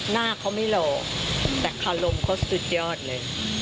หน้าเขาไม่หล่อแต่คารมเขาสุดยอดเลย